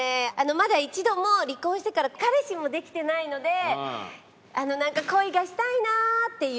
まだ一度も離婚してから彼氏もできてないので恋がしたいなっていう気持ちです。